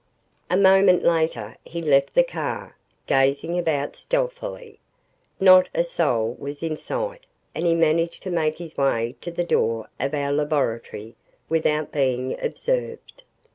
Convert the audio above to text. A moment later he left the car, gazing about stealthily. Not a soul was in sight and he managed to make his way to the door of our laboratory without being observed.